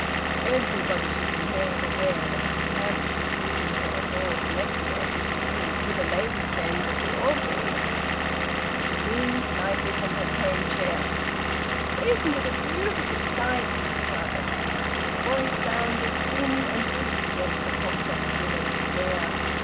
Everybody should be made aware that Mrs Hamps was greeting her adored nephew, who was with a lady friend of the Orgreaves. She leaned slightly from her cane chair. "Isn't it a beautiful sight?" she cried. Her voice sounded thin and weak against the complex din of the Square.